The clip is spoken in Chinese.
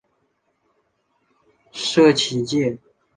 社企界